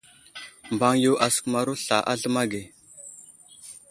Mbaŋ yo asəkumaro sla a zləma ge.